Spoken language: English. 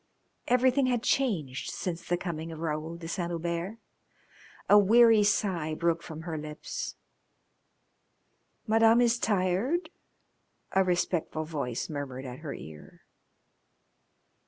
Everything had changed since the coming of Raoul de Saint Hubert. A weary sigh broke from her lips. "Madam is tired?" a respectful voice murmured at her ear.